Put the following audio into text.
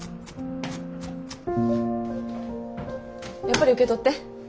やっぱり受け取って。